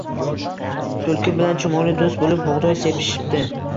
Tulki bilan Chumoli do’st bo’lib bug’doy sepishibdi